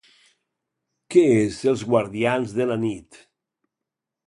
Què és Els guardians de la nit?